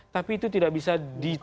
tapi itu tidak bisa di